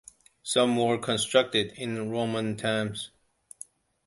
Some were constructed in Roman times.